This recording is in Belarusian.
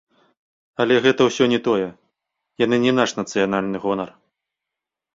Але гэта ўсё не тое, яны не наш нацыянальны гонар.